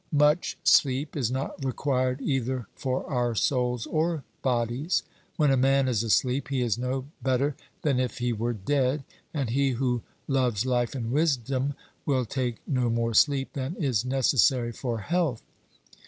Much sleep is not required either for our souls or bodies. When a man is asleep, he is no better than if he were dead; and he who loves life and wisdom will take no more sleep than is necessary for health.